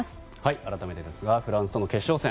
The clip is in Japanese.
改めてですがフランスとの決勝戦。